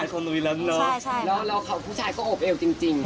แล้วผู้ชายก็อบเอวจริง